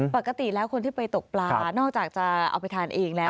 ปกติแล้วคนที่ไปตกปลานอกจากจะเอาไปทานเองแล้ว